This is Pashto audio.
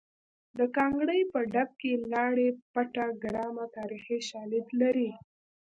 د ګانګړې په ډب کې لاړې بټه ګرامه تاریخي شالید لري